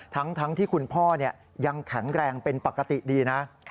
ทั้งที่คุณพ่อยังแข็งแรงเป็นปกติดีนะ